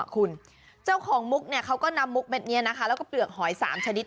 เขาก็นำมุกเบ็ดเตือกหอย๓ชนิด